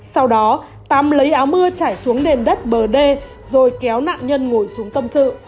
sau đó tám lấy áo mưa chảy xuống nền đất bờ đê rồi kéo nạn nhân ngồi xuống tâm sự